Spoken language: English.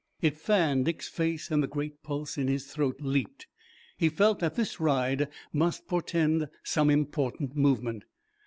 It fanned Dick's face and the great pulse in his throat leaped. He felt that this ride must portend some important movement.